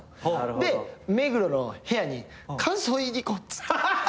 で目黒の部屋に感想言いに行こうっつって。